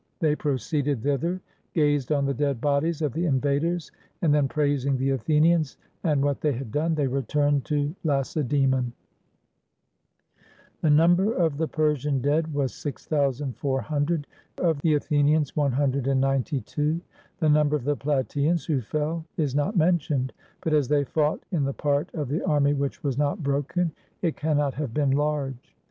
They proceeded thither, gazed on the dead bodies of the invaders, and then praising the Athenians and what they had done, they returned to Lacedaemon. The number of the Persian dead was 6400; of the Athenians, 192. The number of the Plataeans who fell is not mentioned; but as they fought in the part of the army which was not broken, it cannot have been large.